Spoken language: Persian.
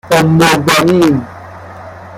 اُمالبنین